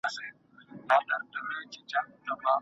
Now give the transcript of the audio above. ولي هڅاند سړی د لایق کس په پرتله ژر بریالی کېږي؟